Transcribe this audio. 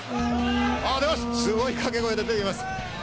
すごい掛け声で出ていきます。